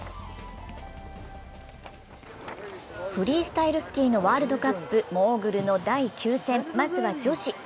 フリースタイルスキーのワールドカップ、モーグルの第９戦、まずは女子。